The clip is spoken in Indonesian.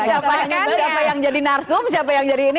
siapanya siapa yang jadi narsum siapa yang jadi ini